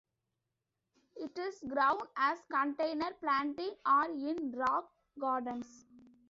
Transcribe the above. It is grown as container planting or in rock gardens.